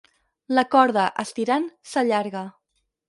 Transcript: La corda, estirant, s'allarga.